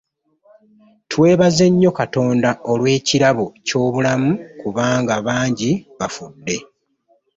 Twebaze nnyo Katonda olw'ekirabo ky'obulamu kubanga bangi bafudde.